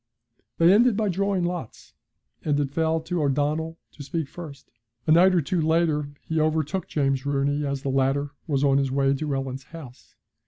They ended by drawing lots, and it fell to O'Donnell to speak first. A night or two later he overtook James Rooney as the latter was on his way to Ellen's house.